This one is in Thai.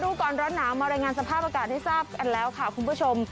ดูก่อนร้อนหนาวมารายงานสภาพอากาศให้ทราบกันแล้วค่ะคุณผู้ชม